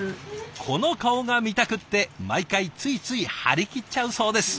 この顔が見たくって毎回ついつい張り切っちゃうそうです。